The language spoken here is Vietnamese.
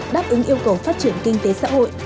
đáp ứng yêu cầu phát triển kinh tế xã hội